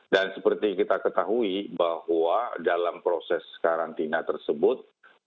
dan seperti kita ketahui bahwa dalam proses karantina tersebut